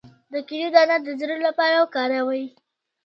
د کینو دانه د زړه لپاره وکاروئ